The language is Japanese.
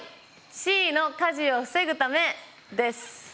Ｃの火事を防ぐためです。